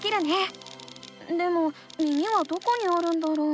でも耳はどこにあるんだろう？